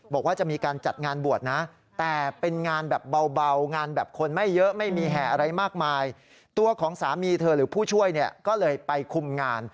บอกว่าจะมีการจัดงานบวชนะ